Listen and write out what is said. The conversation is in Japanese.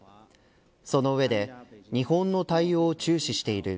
その上で日本の対応を注視している。